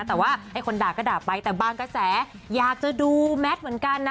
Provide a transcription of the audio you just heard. แต่ว่าไอ้คนด่าก็ด่าไปแต่บางกระแสอยากจะดูแมทเหมือนกันนะ